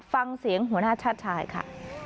ฟังเสียงหัวหน้าชาติชายค่ะ